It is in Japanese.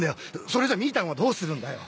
それじゃみぃたんはどうするんだよ。